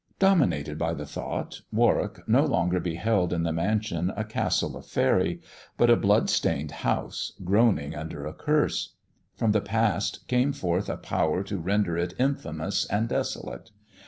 Dominated by the thought, Warwick no longer beheld in the mansion a castle of faery, but a blood stained house, groaning under a curse. From the past came forth a power to render it infamous and desolate.